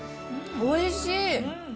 おいしい。